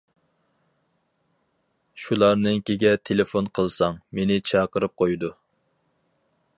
شۇلارنىڭكىگە تېلېفون قىلساڭ، مېنى چاقىرىپ قويىدۇ.